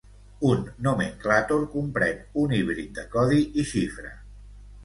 Un nomenclàtor comprèn un híbrid de codi i xifra.